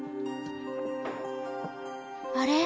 あれ？